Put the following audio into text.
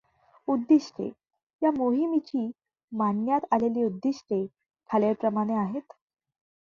उद्दिष्टे या मोहिमेची मांडण्यात आलेली उद्दिष्टे खालीलप्रमाणे आहेत.